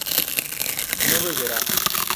no beberá